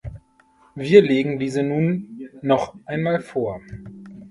Wir legen diese nun noch einmal vor.